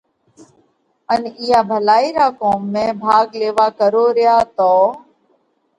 ان اِيئا ڀلائِي را ڪوم ۾ ڀاڳ ليوا ڪروھ ريا تو